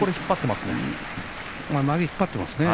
まげを引っ張っていますね。